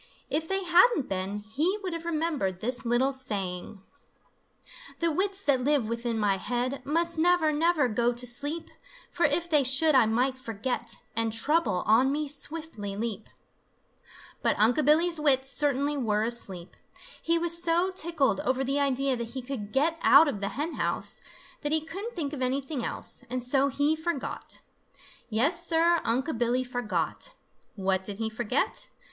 If they hadn't been, he would have remembered this little saying: The wits that live within my head Must never, never go to sleep, For if they should I might forget And Trouble on me swiftly leap. But Unc' Billy's wits certainly were asleep. He was so tickled over the idea that he could get out of the hen house, that he couldn't think of anything else, and so he forgot. Yes, Sir, Unc' Billy forgot! What did he forget?